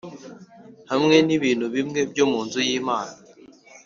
hamwe n’ibintu bimwe byo mu nzu y’Imana